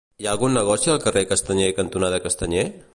Hi ha algun negoci al carrer Castanyer cantonada Castanyer?